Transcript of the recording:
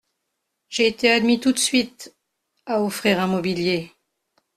J’ai été admis tout de suite… à offrir un mobilier…